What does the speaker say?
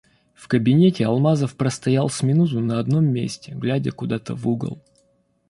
В кабинете Алмазов простоял с минуту на одном месте, глядя куда-то в угол.